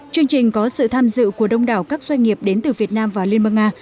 chương trình có sự tham dự của đông đảo các doanh nghiệp đến từ việt nam và liên bang nga